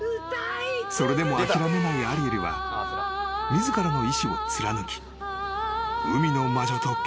［それでも諦めないアリエルは自らの意志を貫き海の魔女と契約］